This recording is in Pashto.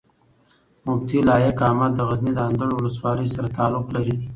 مفتي لائق احمد د غزني د اندړو ولسوالۍ سره تعلق لري